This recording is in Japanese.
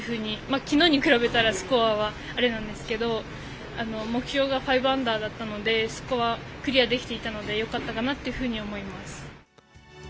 昨日に比べたらスコアはあれなんですけど目標が５アンダーだったのでスコアはクリアできていたのでよかったと思います。